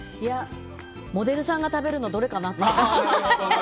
モデルさんが食べるのどれかなって。